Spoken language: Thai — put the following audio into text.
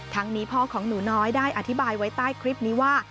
นี้พ่อของหนูน้อยได้อธิบายไว้ใต้คลิปนี้ว่า